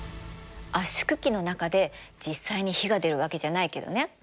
圧縮機の中で実際に火が出るわけじゃないけどね。